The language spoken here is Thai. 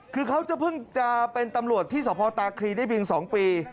คือเขาจะเพิ่งจะเป็นตำรวจที่สพตาคลีได้เพียง๒ปี